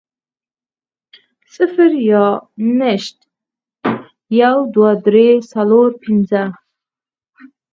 صفر يا نشت, يو, دوه, درې, څلور, پنځه